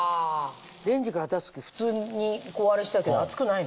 レンジから出す時普通にこうあれしたけど熱くないの？